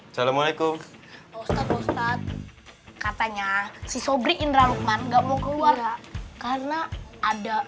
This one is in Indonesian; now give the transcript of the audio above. assalamualaikum ustadz katanya si sobri indra lukman nggak mau keluar karena ada